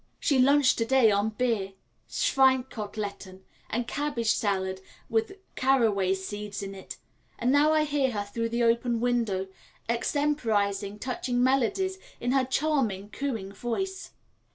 She lunched to day on beer, Schweine koteletten, and cabbage salad with caraway seeds in it, and now I hear her through the open window, extemporising touching melodies in her charming, cooing voice.